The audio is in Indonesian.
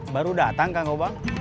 baru datang kang gobang